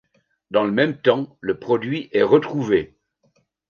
Dans le même temps, le produit est retrouvé.